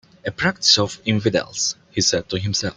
"A practice of infidels," he said to himself.